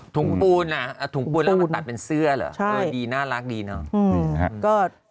ปูนอ่ะถุงปูนแล้วมาตัดเป็นเสื้อเหรอดีน่ารักดีเนาะ